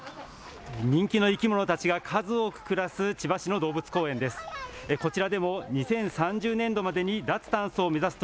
人気の生き物たちが数多く暮らす千葉市の動物公園です。